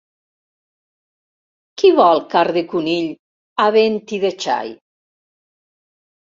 Qui vol carn de conill, havent-hi de xai?